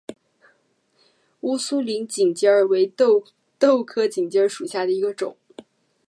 乌苏里锦鸡儿为豆科锦鸡儿属下的一个种。